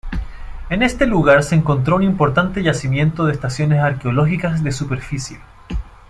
En este lugar se encontró un importante yacimiento de estaciones arqueológicas de superficie.